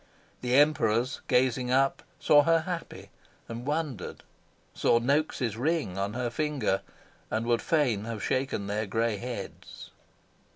The Emperors, gazing up, saw her happy, and wondered; saw Noaks' ring on her finger, and would fain have shaken their grey heads.